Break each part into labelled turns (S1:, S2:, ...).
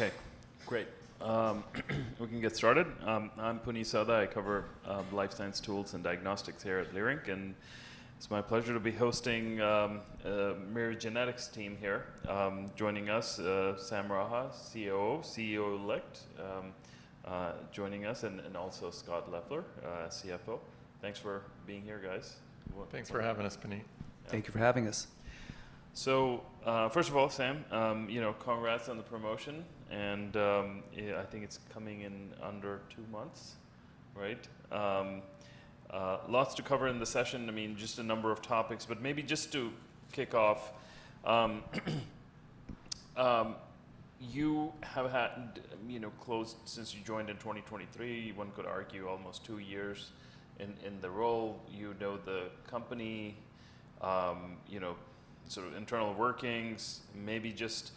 S1: Okay, great. We can get started. I'm Puneet Souda. I cover Life Science Tools and Diagnostics here at Leerink, and it's my pleasure to be hosting the Myriad Genetics team here. Joining us, Sam Raha, CEO, CEO elect, joining us, and also Scott Leffler, CFO. Thanks for being here, guys.
S2: Thanks for having us, Puneet.
S3: Thank you for having us.
S1: First of all, Sam, congrats on the promotion, and I think it's coming in under two months, right? Lots to cover in the session. I mean, just a number of topics, but maybe just to kick off, you have closed since you joined in 2023. One could argue almost two years in the role. You know the company, sort of internal workings. Maybe just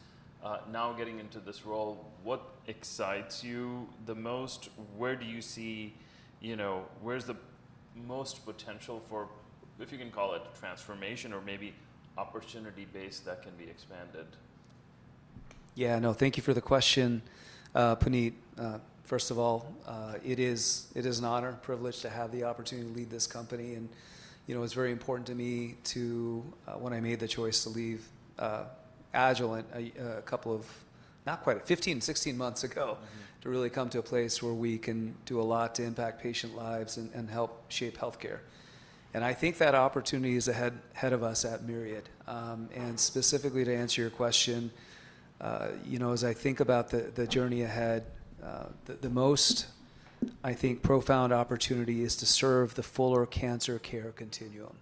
S1: now getting into this role, what excites you the most? Where do you see where's the most potential for, if you can call it, transformation or maybe opportunity base that can be expanded?
S3: Yeah, no, thank you for the question, Puneet. First of all, it is an honor, privilege to have the opportunity to lead this company. It was very important to me when I made the choice to leave Agilent a couple of, not quite 15, 16 months ago, to really come to a place where we can do a lot to impact patient lives and help shape healthcare. I think that opportunity is ahead of us at Myriad. Specifically, to answer your question, as I think about the journey ahead, the most, I think, profound opportunity is to serve the fuller cancer care continuum.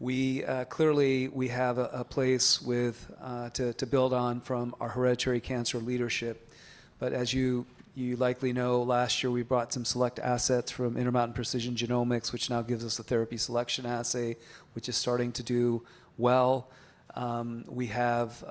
S3: Clearly, we have a place to build on from our hereditary cancer leadership. As you likely know, last year we brought some select assets from Intermountain Precision Genomics, which now gives us a therapy selection assay, which is starting to do well. We have the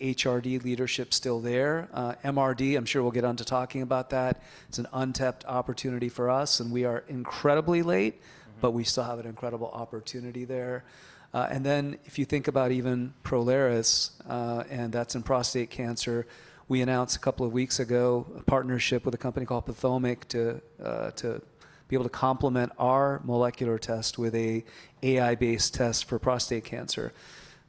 S3: HRD leadership still there. MRD, I'm sure we'll get on to talking about that. It's an untapped opportunity for us, and we are incredibly late, but we still have an incredible opportunity there. If you think about even Prolaris, and that's in prostate cancer, we announced a couple of weeks ago a partnership with a company called PathomIQ to be able to complement our molecular test with an AI-based test for prostate cancer.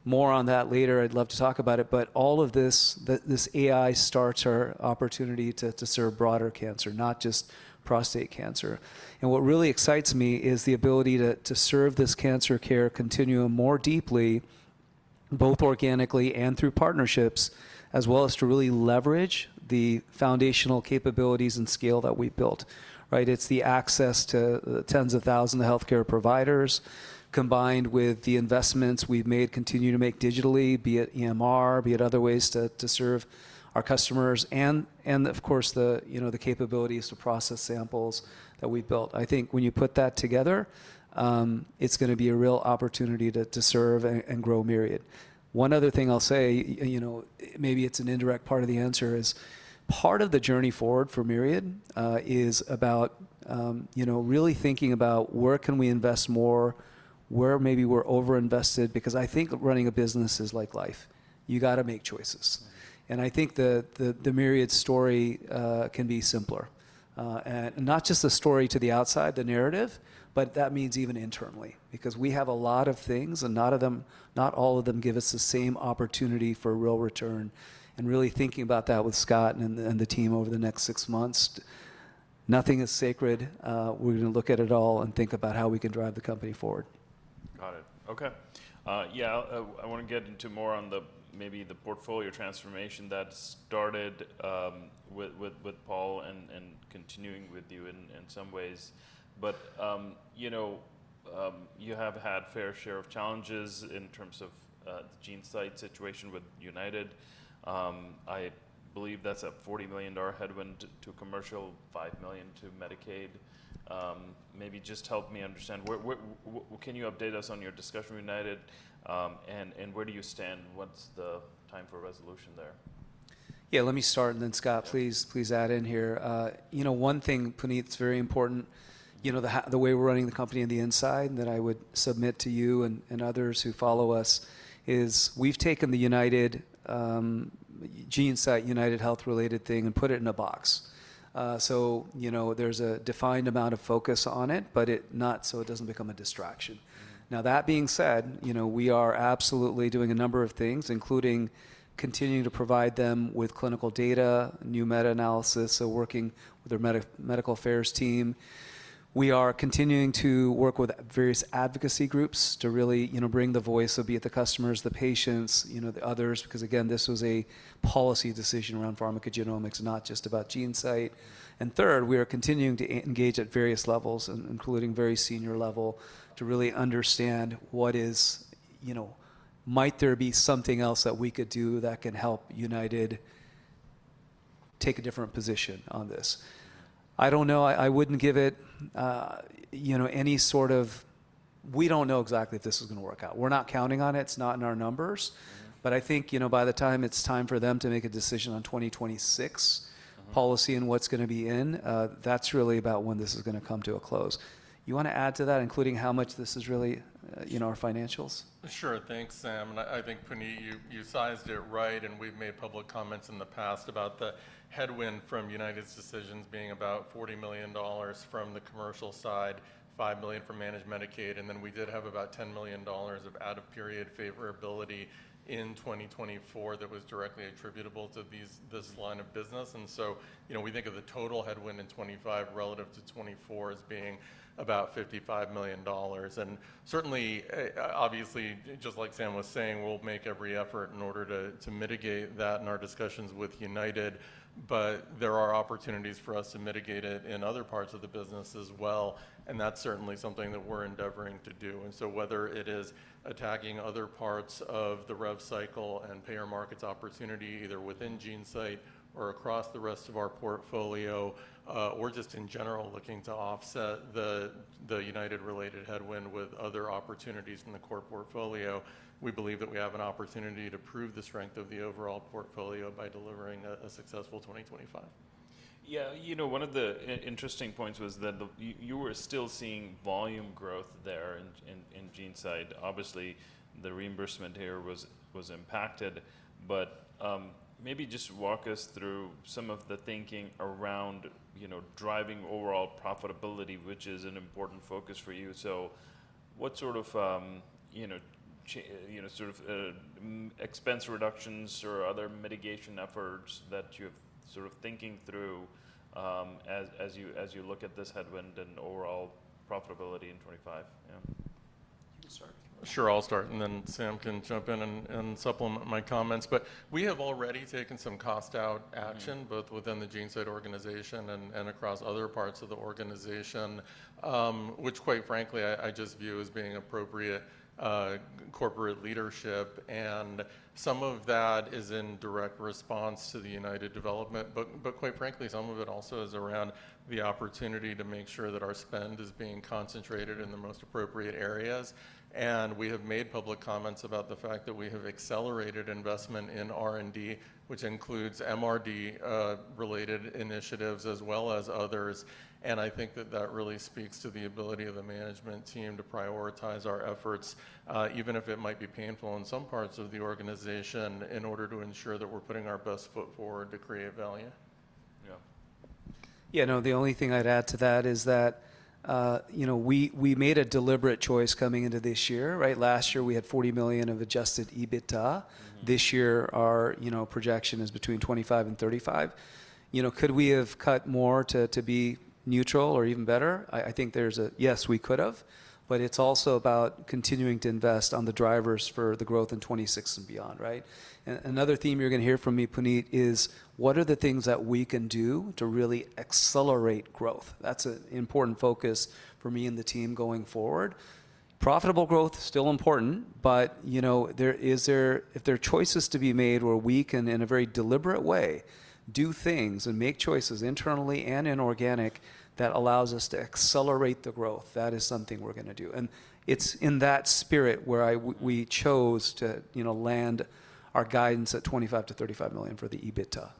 S3: More on that later. I'd love to talk about it, but all of this, this AI starts our opportunity to serve broader cancer, not just prostate cancer. What really excites me is the ability to serve this cancer care continuum more deeply, both organically and through partnerships, as well as to really leverage the foundational capabilities and scale that we've built. It's the access to tens of thousands of healthcare providers combined with the investments we've made, continue to make digitally, be it EMR, be it other ways to serve our customers, and of course, the capabilities to process samples that we've built. I think when you put that together, it's going to be a real opportunity to serve and grow Myriad. One other thing I'll say, maybe it's an indirect part of the answer, is part of the journey forward for Myriad is about really thinking about where can we invest more, where maybe we're overinvested, because I think running a business is like life. You got to make choices. I think the Myriad story can be simpler. Not just the story to the outside, the narrative, but that means even internally, because we have a lot of things, and not all of them give us the same opportunity for real return. Really thinking about that with Scott and the team over the next six months, nothing is sacred. We're going to look at it all and think about how we can drive the company forward.
S1: Got it. Okay. Yeah, I want to get into more on maybe the portfolio transformation that started with Paul and continuing with you in some ways. You have had a fair share of challenges in terms of the GeneSight situation with United. I believe that's a $40 million headwind to commercial, $5 million to Medicaid. Maybe just help me understand, can you update us on your discussion with United, and where do you stand? What's the time for resolution there?
S3: Yeah, let me start, and then Scott, please add in here. One thing, Puneet, it's very important, the way we're running the company on the inside that I would submit to you and others who follow us is we've taken the UnitedHealth GeneSight related thing, and put it in a box. So there's a defined amount of focus on it, but not so it doesn't become a distraction. Now, that being said, we are absolutely doing a number of things, including continuing to provide them with clinical data, new meta-analysis, so working with their medical affairs team. We are continuing to work with various advocacy groups to really bring the voice, so be it the customers, the patients, the others, because again, this was a policy decision around pharmacogenomics, not just about GeneSight. Third, we are continuing to engage at various levels, including very senior level, to really understand what is, might there be something else that we could do that can help United take a different position on this? I don't know. I wouldn't give it any sort of, we don't know exactly if this is going to work out. We're not counting on it. It's not in our numbers. I think by the time it's time for them to make a decision on 2026 policy and what's going to be in, that's really about when this is going to come to a close. You want to add to that, including how much this is really our financials?
S2: Sure. Thanks, Sam. I think, Puneet, you sized it right, and we've made public comments in the past about the headwind from United's decisions being about $40 million from the commercial side, $5 million from managed Medicaid. We did have about $10 million of out-of-period favorability in 2024 that was directly attributable to this line of business. We think of the total headwind in 2025 relative to 2024 as being about $55 million. Certainly, obviously, just like Sam was saying, we'll make every effort in order to mitigate that in our discussions with United, but there are opportunities for us to mitigate it in other parts of the business as well. That's certainly something that we're endeavoring to do. Whether it is attacking other parts of the rev cycle and payer markets opportunity, either within GeneSight or across the rest of our portfolio, or just in general looking to offset the United-related headwind with other opportunities in the core portfolio, we believe that we have an opportunity to prove the strength of the overall portfolio by delivering a successful 2025. Yeah.
S1: One of the interesting points was that you were still seeing volume growth there in GeneSight. Obviously, the reimbursement here was impacted. Maybe just walk us through some of the thinking around driving overall profitability, which is an important focus for you. What sort of expense reductions or other mitigation efforts are you thinking through as you look at this headwind and overall profitability in 2025? Yeah.
S3: You can start.
S2: Sure, I'll start, and then Sam can jump in and supplement my comments. We have already taken some cost-out action, both within the GeneSight organization and across other parts of the organization, which, quite frankly, I just view as being appropriate corporate leadership. Some of that is in direct response to the UnitedHealth development, but, quite frankly, some of it also is around the opportunity to make sure that our spend is being concentrated in the most appropriate areas. We have made public comments about the fact that we have accelerated investment in R&D, which includes MRD-related initiatives as well as others. I think that that really speaks to the ability of the management team to prioritize our efforts, even if it might be painful in some parts of the organization, in order to ensure that we're putting our best foot forward to create value.
S1: Yeah.
S3: Yeah, no, the only thing I'd add to that is that we made a deliberate choice coming into this year. Last year, we had $40 million of adjusted EBITDA. This year, our projection is between $25 million and $35 million. Could we have cut more to be neutral or even better? I think there's a yes, we could have, but it's also about continuing to invest on the drivers for the growth in 2026 and beyond. Another theme you're going to hear from me, Puneet, is what are the things that we can do to really accelerate growth? That's an important focus for me and the team going forward. Profitable growth, still important, but if there are choices to be made where we can, in a very deliberate way, do things and make choices internally and inorganic that allows us to accelerate the growth, that is something we're going to do. It is in that spirit where we chose to land our guidance at $25 million-$35 million for the EBITDA,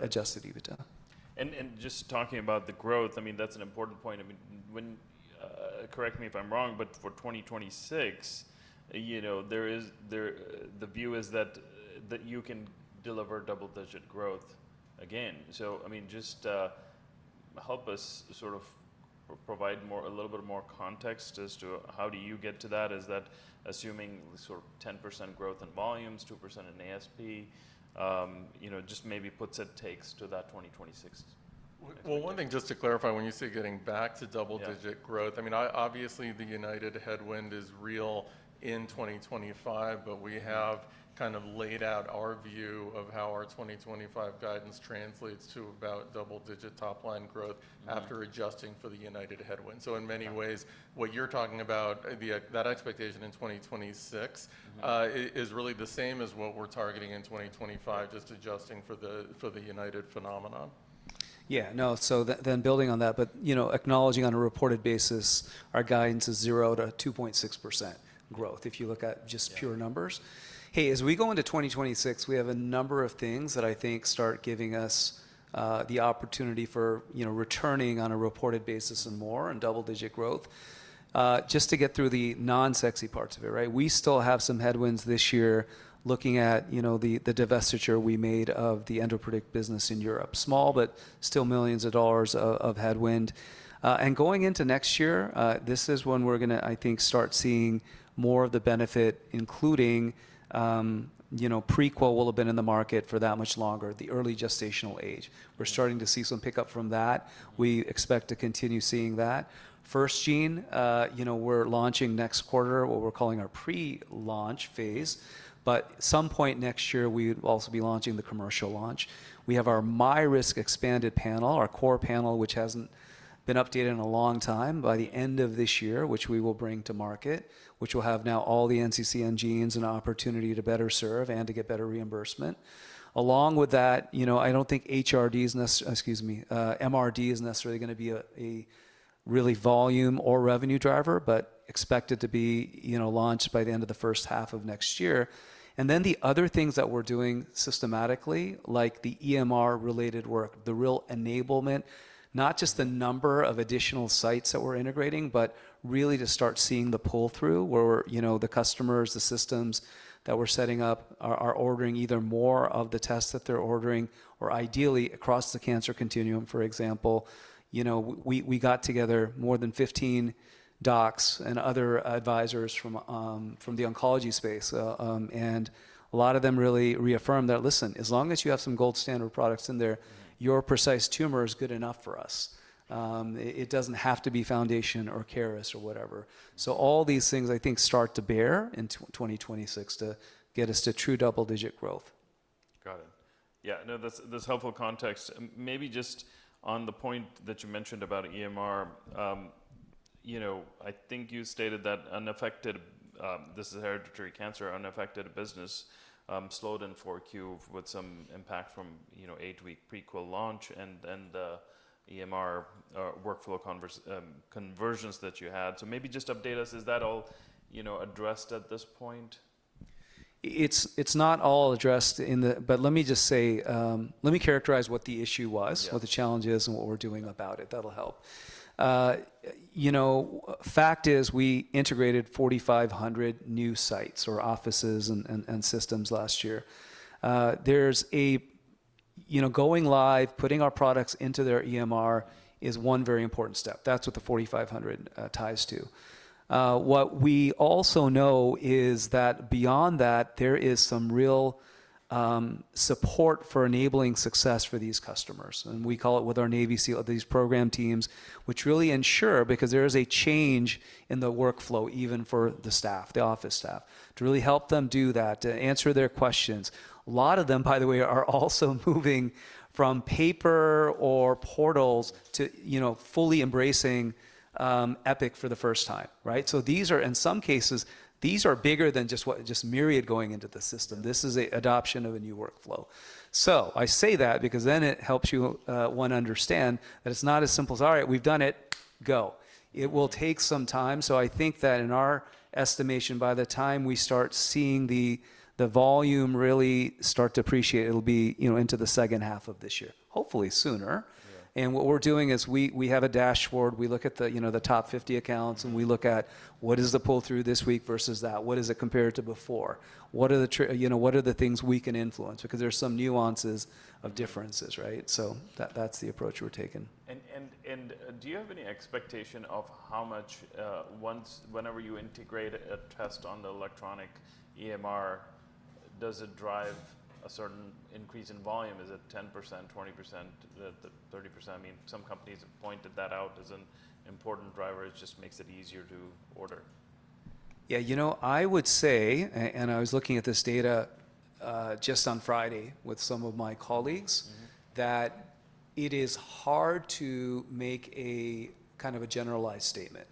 S3: adjusted EBITDA.
S1: Just talking about the growth, I mean, that's an important point. Correct me if I'm wrong, but for 2026, the view is that you can deliver double-digit growth again. Just help us sort of provide a little bit more context as to how do you get to that, is that assuming sort of 10% growth in volumes, 2% in ASP, just maybe puts a take to that 2026?
S2: One thing, just to clarify, when you say getting back to double-digit growth, I mean, obviously, the United headwind is real in 2025, but we have kind of laid out our view of how our 2025 guidance translates to about double-digit top-line growth after adjusting for the United headwind. In many ways, what you're talking about, that expectation in 2026 is really the same as what we're targeting in 2025, just adjusting for the United phenomenon.
S3: Yeah, no, so then building on that, but acknowledging on a reported basis, our guidance is 0%-2.6% growth if you look at just pure numbers. Hey, as we go into 2026, we have a number of things that I think start giving us the opportunity for returning on a reported basis and more in double-digit growth. Just to get through the non-sexy parts of it, right? We still have some headwinds this year looking at the divestiture we made of the EndoPredict business in Europe. Small, but still millions of dollars of headwind. Going into next year, this is when we're going to, I think, start seeing more of the benefit, including Prequel will have been in the market for that much longer, the early gestational age. We're starting to see some pickup from that. We expect to continue seeing that. FirstGene, we're launching next quarter, what we're calling our pre-launch phase. At some point next year, we would also be launching the commercial launch. We have our MyRisk expanded panel, our core panel, which hasn't been updated in a long time, by the end of this year, which we will bring to market, which will have now all the NCCN genes and opportunity to better serve and to get better reimbursement. Along with that, I don't think HRD is necessary, excuse me, MRD is necessarily going to be a really volume or revenue driver, but expect it to be launched by the end of the first half of next year. The other things that we're doing systematically, like the EMR-related work, the real enablement, not just the number of additional sites that we're integrating, but really to start seeing the pull-through where the customers, the systems that we're setting up are ordering either more of the tests that they're ordering or ideally across the cancer continuum, for example. We got together more than 15 docs and other advisors from the oncology space, and a lot of them really reaffirmed that, listen, as long as you have some gold standard products in there, your Precise Oncology tumor is good enough for us. It doesn't have to be Foundation Medicine or Caris or whatever. All these things, I think, start to bear in 2026 to get us to true double-digit growth.
S1: Got it. Yeah, no, that's helpful context. Maybe just on the point that you mentioned about EMR, I think you stated that unaffected, this is hereditary cancer, unaffected business slowed in 4Q with some impact from eight-week Prequel launch and the EMR workflow conversions that you had. Maybe just update us, is that all addressed at this point?
S3: It's not all addressed, but let me just say, let me characterize what the issue was, what the challenge is, and what we're doing about it. That'll help. Fact is we integrated 4,500 new sites or offices and systems last year. Going live, putting our products into their EMR is one very important step. That's what the 4,500 ties to. What we also know is that beyond that, there is some real support for enabling success for these customers. We call it with our [NaviSeal,] these program teams, which really ensure, because there is a change in the workflow even for the staff, the office staff, to really help them do that, to answer their questions. A lot of them, by the way, are also moving from paper or portals to fully embracing Epic for the first time. In some cases, these are bigger than just Myriad going into the system. This is an adoption of a new workflow. I say that because then it helps you understand that it's not as simple as, all right, we've done it, go. It will take some time. I think that in our estimation, by the time we start seeing the volume really start to appreciate, it'll be into the second half of this year, hopefully sooner. What we're doing is we have a dashboard. We look at the top 50 accounts, and we look at what is the pull-through this week versus that. What does it compare to before? What are the things we can influence? Because there's some nuances of differences, right? That's the approach we're taking.
S1: Do you have any expectation of how much, whenever you integrate a test on the electronic EMR, does it drive a certain increase in volume? Is it 10%, 20%, 30%? I mean, some companies have pointed that out as an important driver. It just makes it easier to order.
S3: Yeah, you know I would say, and I was looking at this data just on Friday with some of my colleagues, that it is hard to make a kind of a generalized statement.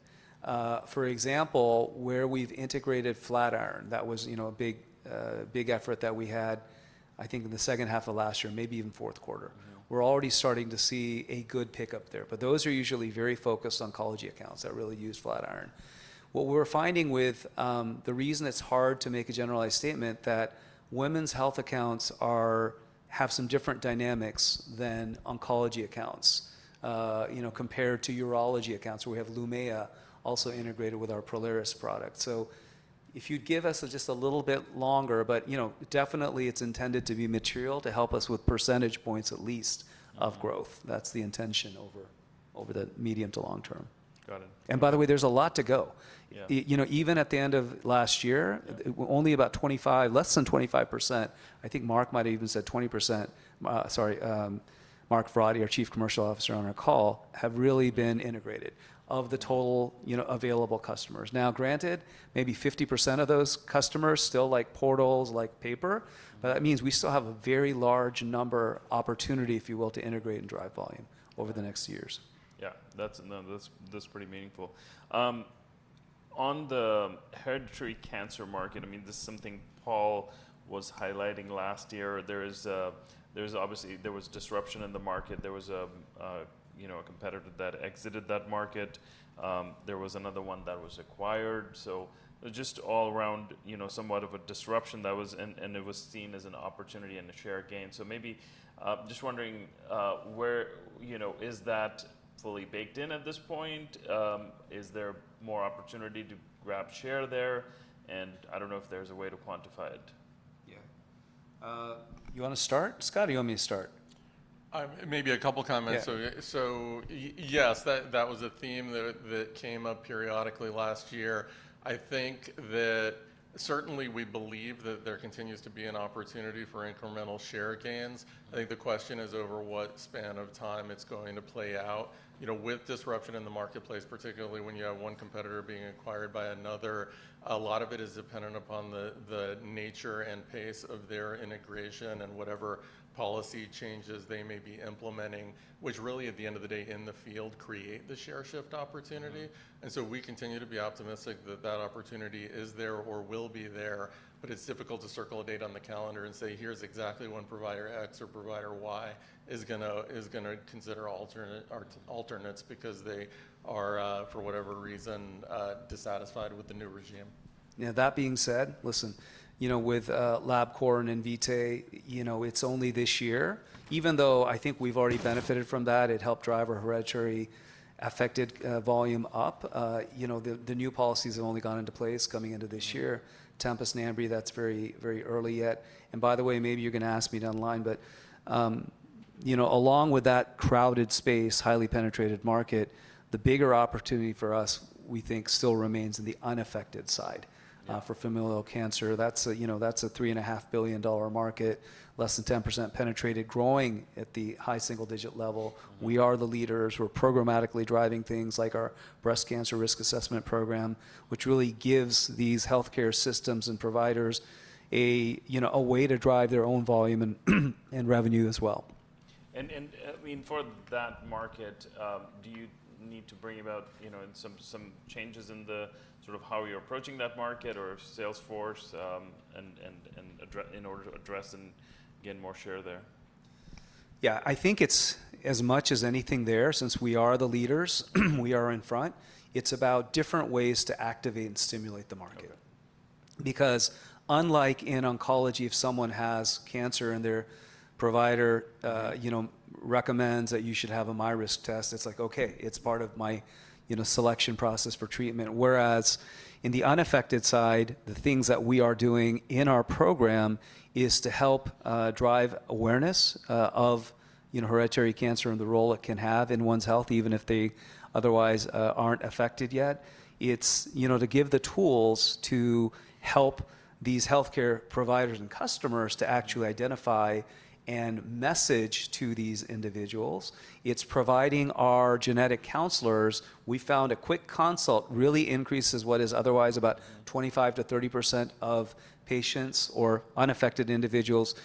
S3: For example, where we've integrated Flatiron, that was a big effort that we had, I think, in the second half of last year, maybe even fourth quarter. We're already starting to see a good pickup there. Those are usually very focused oncology accounts that really use Flatiron. What we're finding with the reason it's hard to make a generalized statement is that women's health accounts have some different dynamics than oncology accounts compared to urology accounts where we have Lumea also integrated with our Prolaris product. If you'd give us just a little bit longer, but definitely it's intended to be material to help us with percentage points at least of growth. That's the intention over the medium to long term.
S1: Got it.
S3: By the way, there's a lot to go. Even at the end of last year, only about 25, less than 25%, I think Mark might have even said 20%, sorry, Mark Verratti, our Chief Commercial Officer on our call, have really been integrated of the total available customers. Now, granted, maybe 50% of those customers still like portals, like paper, but that means we still have a very large number opportunity, if you will, to integrate and drive volume over the next years.
S1: Yeah, that's pretty meaningful. On the hereditary cancer market, I mean, this is something Paul was highlighting last year. Obviously, there was disruption in the market. There was a competitor that exited that market. There was another one that was acquired. Just all around, somewhat of a disruption, and it was seen as an opportunity and a share gain. Maybe just wondering, is that fully baked in at this point? Is there more opportunity to grab share there? I don't know if there's a way to quantify it. Yeah.
S3: You want to start? Scott, you want me to start?
S2: Maybe a couple of comments. Yes, that was a theme that came up periodically last year. I think that certainly we believe that there continues to be an opportunity for incremental share gains. I think the question is over what span of time it's going to play out. With disruption in the marketplace, particularly when you have one competitor being acquired by another, a lot of it is dependent upon the nature and pace of their integration and whatever policy changes they may be implementing, which really, at the end of the day, in the field, create the share shift opportunity. We continue to be optimistic that that opportunity is there or will be there, but it's difficult to circle a date on the calendar and say, here's exactly when provider X or provider Y is going to consider alternates because they are, for whatever reason, dissatisfied with the new regime.
S3: Now, that being said, listen, with LabCorp and Invitae, it's only this year. Even though I think we've already benefited from that, it helped drive a hereditary affected volume up. The new policies have only gone into place coming into this year. Tempus, Natera, that's very early yet. By the way, maybe you're going to ask me to underline, but along with that crowded space, highly penetrated market, the bigger opportunity for us, we think, still remains in the unaffected side for familial cancer. That's a $3.5 billion market, less than 10% penetrated, growing at the high single-digit level. We are the leaders. We're programmatically driving things like our breast cancer risk assessment program, which really gives these healthcare systems and providers a way to drive their own volume and revenue as well.
S1: I mean, for that market, do you need to bring about some changes in sort of how you're approaching that market or Salesforce in order to address and gain more share there?
S3: Yeah, I think it's as much as anything there. Since we are the leaders, we are in front. It's about different ways to activate and stimulate the market. Because unlike in oncology, if someone has cancer and their provider recommends that you should have a MyRisk test, it's like, okay, it's part of my selection process for treatment. Whereas in the unaffected side, the things that we are doing in our program is to help drive awareness of hereditary cancer and the role it can have in one's health, even if they otherwise aren't affected yet. It's to give the tools to help these healthcare providers and customers to actually identify and message to these individuals. It's providing our genetic counselors. We found a quick consult really increases what is otherwise about 25%-30% of patients or unaffected individuals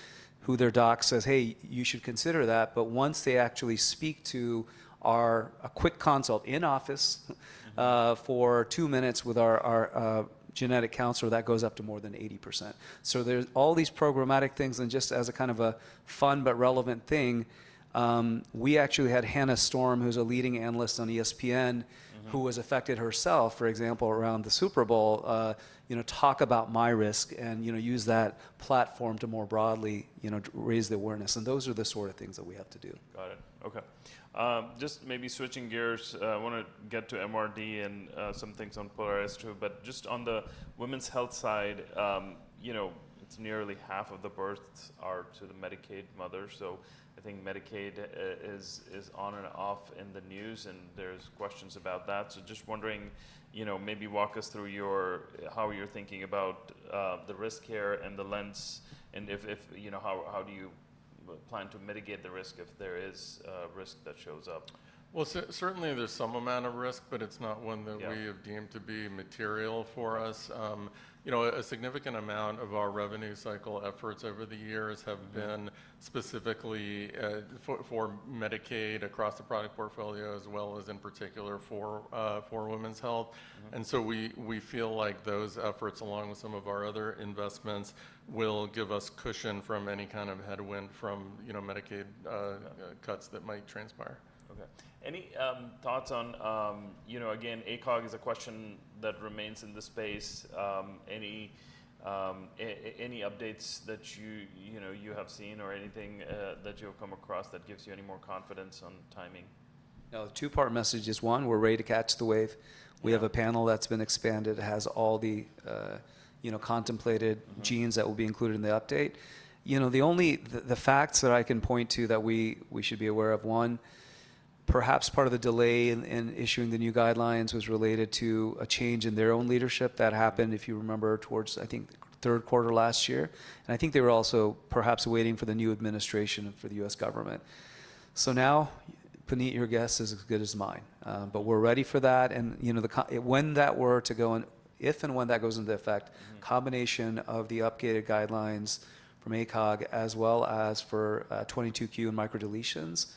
S3: who their doc says, hey, you should consider that. Once they actually speak to our quick consult in office for two minutes with our genetic counselor, that goes up to more than 80%. There are all these programmatic things. Just as a kind of a fun but relevant thing, we actually had Hannah Storm, who's a leading analyst on ESPN, who was affected herself, for example, around the Super Bowl, talk about MyRisk and use that platform to more broadly raise the awareness. Those are the sort of things that we have to do.
S1: Got it. Okay. Just maybe switching gears, I want to get to MRD and some things on Prolaris too. Just on the women's health side, it's nearly half of the births are to the Medicaid mothers. I think Medicaid is on and off in the news, and there's questions about that. Just wondering, maybe walk us through how you're thinking about the risk here and the lens and how do you plan to mitigate the risk if there is risk that shows up?
S2: There is certainly some amount of risk, but it's not one that we have deemed to be material for us. A significant amount of our revenue cycle efforts over the years have been specifically for Medicaid across the product portfolio, as well as in particular for women's health. We feel like those efforts, along with some of our other investments, will give us cushion from any kind of headwind from Medicaid cuts that might transpire.
S1: Okay. Any thoughts on, again, ACOG is a question that remains in the space. Any updates that you have seen or anything that you have come across that gives you any more confidence on timing?
S3: Now, the two-part message is, one, we're ready to catch the wave. We have a panel that's been expanded. It has all the contemplated genes that will be included in the update. The facts that I can point to that we should be aware of, one, perhaps part of the delay in issuing the new guidelines was related to a change in their own leadership that happened, if you remember, towards, I think, third quarter last year. I think they were also perhaps waiting for the new administration for the U.S. government. Now, Puneet, your guess is as good as mine. But we're ready for that. When that were to go in, if and when that goes into effect, combination of the updated guidelines from ACOG, as well as for 22q and microdeletions,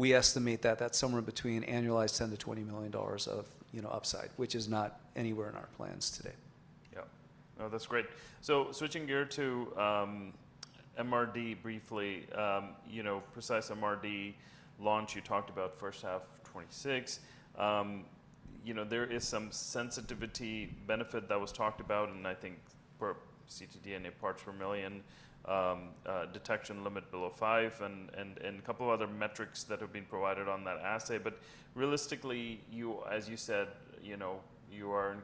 S3: we estimate that that's somewhere between annualized $10 million-$20 million of upside, which is not anywhere in our plans today.
S1: Yeah. No, that's great. Switching gear to MRD briefly, Precise MRD launch you talked about first half 2026. There is some sensitivity benefit that was talked about, and I think for ctDNA and a parts per million detection limit below five and a couple of other metrics that have been provided on that assay. Realistically, as you said, you are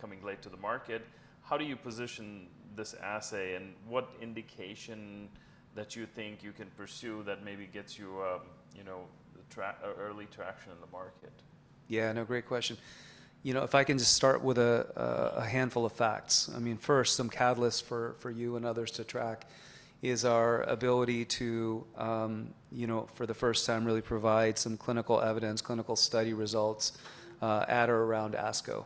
S1: coming late to the market. How do you position this assay and what indication do you think you can pursue that maybe gets you early traction in the market?
S3: Yeah, no, great question. If I can just start with a handful of facts. I mean, first, some catalysts for you and others to track is our ability to, for the first time, really provide some clinical evidence, clinical study results at or around ASCO.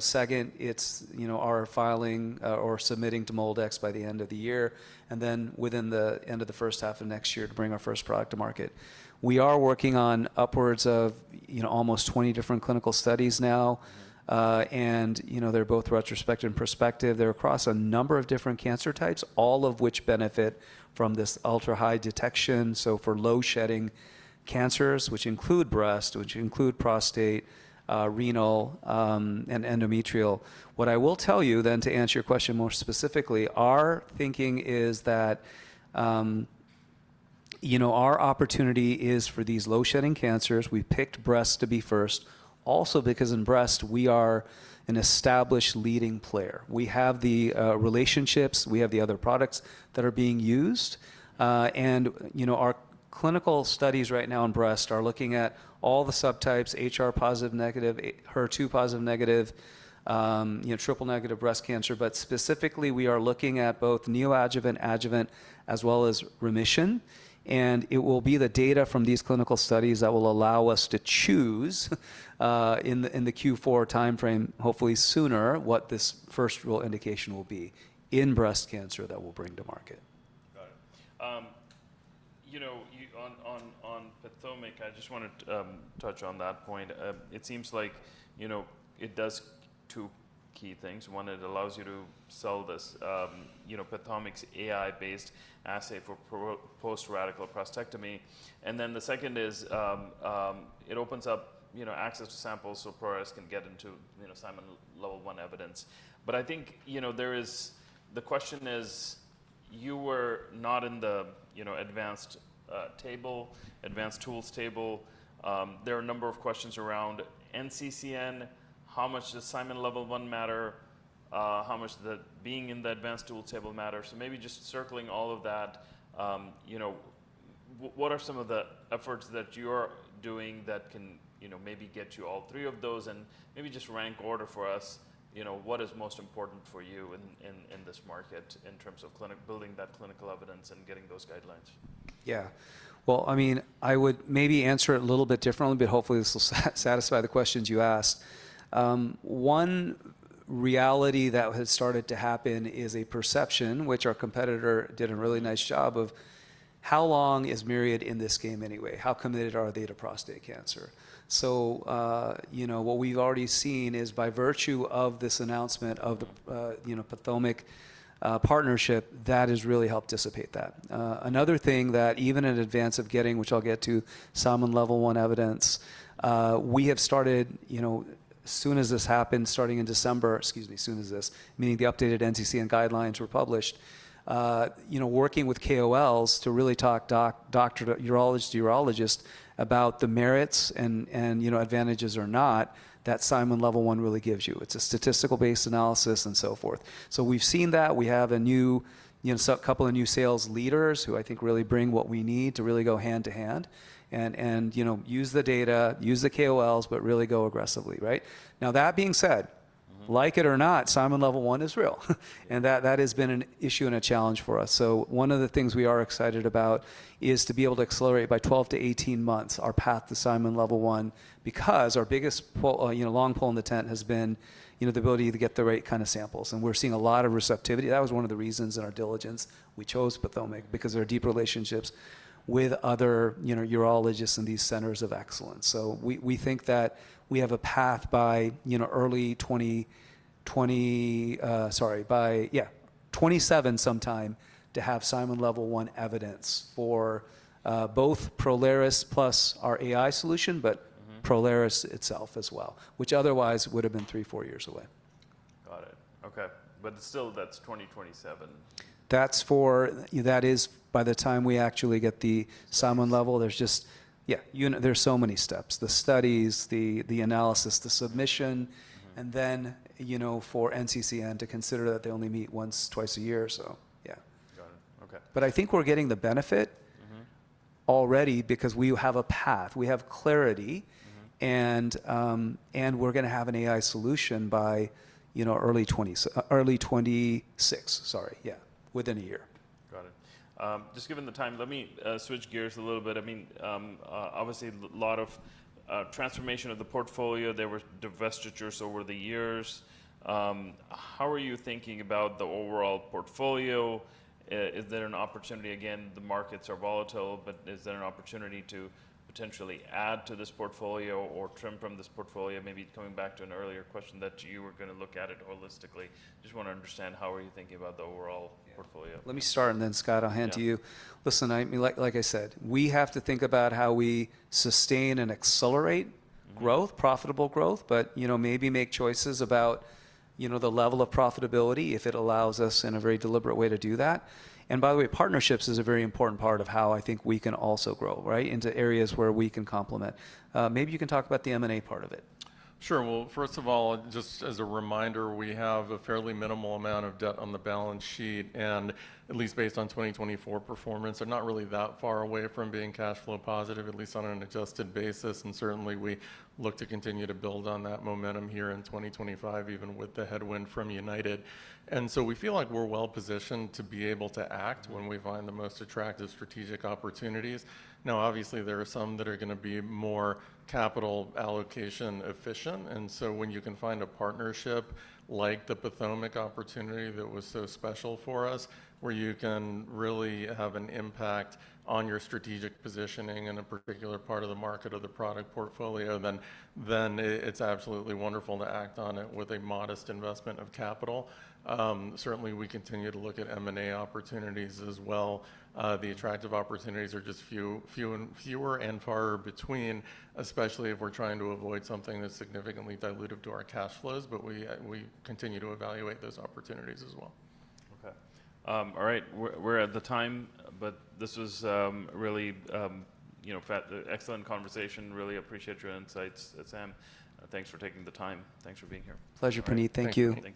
S3: Second, it's our filing or submitting to MolDX by the end of the year, and then within the end of the first half of next year to bring our first product to market. We are working on upwards of almost 20 different clinical studies now. They're both retrospective and prospective. They're across a number of different cancer types, all of which benefit from this ultra-high detection. For low-shedding cancers, which include breast, which include prostate, renal, and endometrial. What I will tell you then to answer your question more specifically, our thinking is that our opportunity is for these low-shedding cancers. We picked breast to be first, also because in breast, we are an established leading player. We have the relationships. We have the other products that are being used. Our clinical studies right now in breast are looking at all the subtypes, HR positive negative, HER2 positive negative, triple negative breast cancer. Specifically, we are looking at both neoadjuvant, adjuvant, as well as remission. It will be the data from these clinical studies that will allow us to choose in the Q4 timeframe, hopefully sooner, what this first real indication will be in breast cancer that we'll bring to market.
S1: Got it. On PathomIQ, I just want to touch on that point. It seems like it does two key things. One, it allows you to sell this. PathomIQ's AI-based assay for post-radical prostatectomy. Then the second is it opens up access to samples so Prolaris can get into Simon Level 1 evidence. I think the question is, you were not in the advanced table, advanced tools table. There are a number of questions around NCCN. How much does Simon Level 1 matter? How much does being in the advanced tools table matter? Maybe just circling all of that, what are some of the efforts that you're doing that can maybe get you all three of those? Maybe just rank order for us, what is most important for you in this market in terms of building that clinical evidence and getting those guidelines?
S3: Yeah. I mean, I would maybe answer it a little bit differently, but hopefully this will satisfy the questions you asked. One reality that has started to happen is a perception, which our competitor did a really nice job of, how long is Myriad in this game anyway? How committed are they to prostate cancer? What we've already seen is by virtue of this announcement of the PathomIQ partnership, that has really helped dissipate that. Another thing that even in advance of getting, which I'll get to, Simon Level 1 evidence, we have started as soon as this happened, starting in December, excuse me, as soon as this, meaning the updated NCCN guidelines were published, working with KOLs to really talk urologist to urologist about the merits and advantages or not that Simon Level 1 really gives you. It's a statistical-based analysis and so forth. We have a couple of new sales leaders who I think really bring what we need to really go hand to hand and use the data, use the KOLs, but really go aggressively. Right? That being said, like it or not, Simon Level 1 is real. And that has been an issue and a challenge for us. One of the things we are excited about is to be able to accelerate by 12-18 months our path to Simon Level 1 because our biggest long pole in the tent has been the ability to get the right kind of samples. We are seeing a lot of receptivity. That was one of the reasons in our diligence we chose PathomIQ because of our deep relationships with other urologists in these centers of excellence. We think that we have a path by early 2020, sorry, by, yeah, 2027 sometime to have Simon Level 1 evidence for both Prolaris plus our AI solution, but Prolaris itself as well, which otherwise would have been three, four years away.
S1: Got it. Okay. Still, that's 2027.
S3: That is by the time we actually get the Simon Level 1. There's just, yeah, there are so many steps, the studies, the analysis, the submission, and then for NCCN to consider that they only meet once or twice a year. Yeah.
S1: Got it. Okay.
S3: I think we're getting the benefit already because we have a path. We have clarity. We're going to have an AI solution by early 2026, sorry, yeah, within a year.
S1: Got it. Just given the time, let me switch gears a little bit. I mean, obviously, a lot of transformation of the portfolio. There were divestitures over the years. How are you thinking about the overall portfolio? Is there an opportunity? Again, the markets are volatile, but is there an opportunity to potentially add to this portfolio or trim from this portfolio? Maybe coming back to an earlier question that you were going to look at it holistically. Just want to understand how are you thinking about the overall portfolio.
S3: Let me start and then, Scott, I'll hand to you. Listen, like I said, we have to think about how we sustain and accelerate growth, profitable growth, but maybe make choices about the level of profitability if it allows us in a very deliberate way to do that. By the way, partnerships is a very important part of how I think we can also grow, right, into areas where we can complement. Maybe you can talk about the M&A part of it.
S2: Sure. First of all, just as a reminder, we have a fairly minimal amount of debt on the balance sheet, and at least based on 2024 performance, they're not really that far away from being cash flow positive, at least on an adjusted basis. Certainly, we look to continue to build on that momentum here in 2025, even with the headwind from UnitedHealth. We feel like we're well positioned to be able to act when we find the most attractive strategic opportunities. Obviously, there are some that are going to be more capital allocation efficient. When you can find a partnership like the PathomIQ opportunity that was so special for us, where you can really have an impact on your strategic positioning in a particular part of the market or the product portfolio, then it's absolutely wonderful to act on it with a modest investment of capital. Certainly, we continue to look at M&A opportunities as well. The attractive opportunities are just fewer and far between, especially if we're trying to avoid something that's significantly dilutive to our cash flows. We continue to evaluate those opportunities as well.
S1: Okay. All right. We're at the time, but this was really an excellent conversation. Really appreciate your insights, Sam. Thanks for taking the time. Thanks for being here.
S3: Pleasure, Puneet. Thank you.